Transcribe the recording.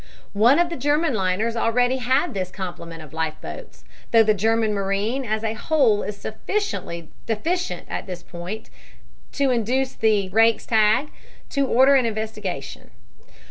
One of the German liners already had this complement of life boats, though the German marine as a whole is sufficiently deficient at this point to induce the Reichstag to order an investigation.